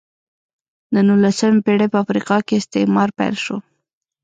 د نولسمې پېړۍ په افریقا کې استعمار پیل شو.